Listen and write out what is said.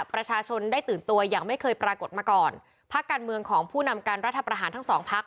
ประชาชนได้ตื่นตัวอย่างไม่เคยปรากฏมาก่อนพักการเมืองของผู้นำการรัฐประหารทั้งสองพัก